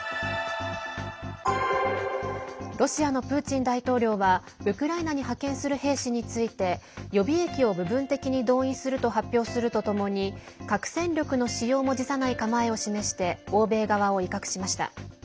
ロシアのプーチン大統領はウクライナに派遣する兵士について予備役を部分的に動員すると発表するとともに核戦力の使用も辞さない構えを示して欧米側を威嚇しました。